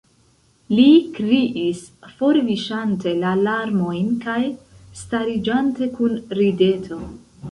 li kriis, forviŝante la larmojn kaj stariĝante kun rideto.